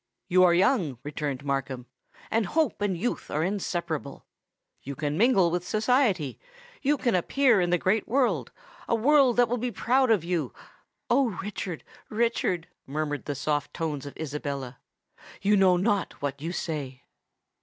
"You are young," returned Markham: "and hope and youth are inseparable. You can mingle with society,—you can appear in the great world—a world that will be proud of you——" "Oh! Richard, Richard," murmured the soft tones of Isabella; "you know not what you say!"